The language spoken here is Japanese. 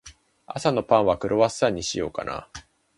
朝のパンは、クロワッサンにしようかな。